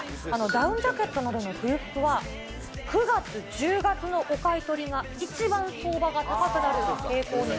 ダウンジャケットなどの冬服は９月、１０月のお買い取りが一番相場が高くなる傾向に。